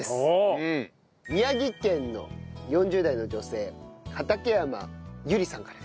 宮城県の４０代の女性畠山百合さんからです。